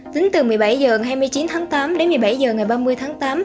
tính từ một mươi bảy h hai mươi chín tháng tám đến một mươi bảy h ngày ba mươi tháng tám